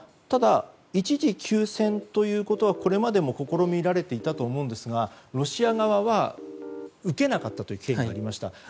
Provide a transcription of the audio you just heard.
ただ、一時休戦ということはこれまでも試みられていたと思うんですがロシア側は受けなかったという経緯がありました。